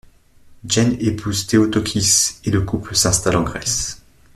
Jane épouse Théotokis et le couple s'installe en Grèce.